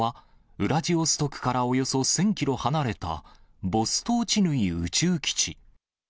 ウラジオストクからおよそ１０００キロ離れた、ボストーチヌイ宇宙基地。